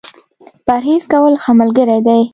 پرهېز کول ، ښه ملګری دی.